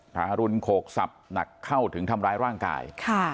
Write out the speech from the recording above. ทารุณโขกสับหนักเข้าถึงทำร้ายร่างกาย